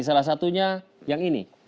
salah satunya yang ini